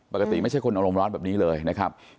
ไม่ใช่คนอารมณ์ร้อนแบบนี้เลยนะครับ